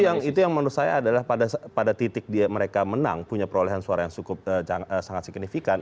yang itu yang menurut saya adalah pada titik mereka menang punya perolehan suara yang sangat signifikan